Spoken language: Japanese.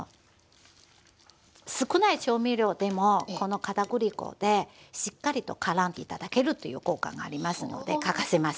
少ない調味料でもこの片栗粉でしっかりとからんで頂けるという効果がありますので欠かせません。